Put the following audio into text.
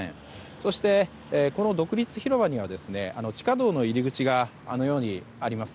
そして、独立広場には地下道の入り口があのようにあります。